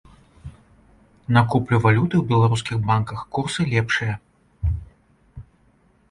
На куплю валюты ў беларускіх банках курсы лепшыя.